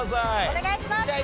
お願いします！